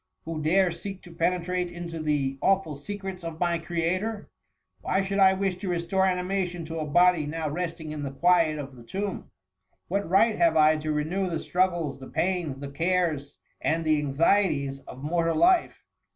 who dare seek to penetrate into the THE MUMMY. 208 awful secrets of my Creator ? Why should I wish to restore animation to a body now resting in the quiet of the tomb ? What right have I to renew the struggles, the pains, the cares, and the anxieties of mortal life?